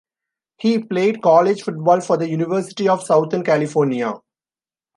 He played college football for the University of Southern California.